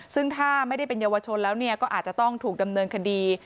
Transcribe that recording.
ซึ่งถ้าไม่ได้เป็นเยาวชนแล้วก็อาจจะต้องถูกดำเนินคดี